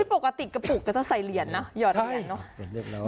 ปกติกระปุกก็จะใส่เหรียญนะหยอดเหรียญเนอะ